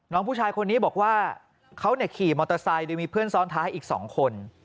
น้องผู้ชายคนนี้บอกว่าเขาขี่มอเตอร์ไซค์โดยมีเพื่อนซ้อนท้ายอีก๒คน